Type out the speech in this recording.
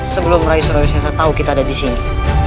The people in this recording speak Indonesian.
sebelum rai surawesnya saya tahu kita ada di sini